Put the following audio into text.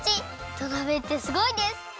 土鍋ってすごいです！